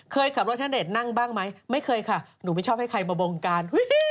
ขับรถณเดชน์นั่งบ้างไหมไม่เคยค่ะหนูไม่ชอบให้ใครมาบงการ